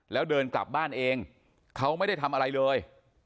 แล้วเดินกลับบ้านเองเขาไม่ได้ทำอะไรเลย